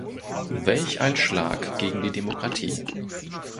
Welch ein Schlag gegen die Demokratie!